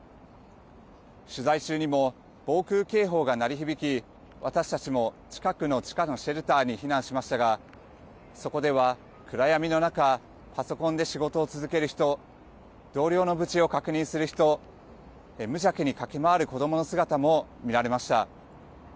取材中にも防空警報が鳴り響き私たちも近くの地下のシェルターに避難しましたがそこでは暗闇の中パソコンで仕事を続ける人同僚の無事を確認する人無邪気に駆け回る子どもの姿も見られました。